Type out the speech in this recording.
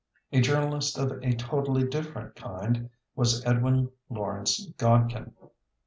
A journalist of a totally different kind was Edwin Lawrence Godkin.